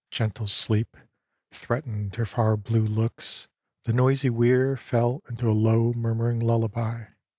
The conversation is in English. Gentle sleep Threatened her far blue looks. The noisy weir Fell into a low murmuring lullaby.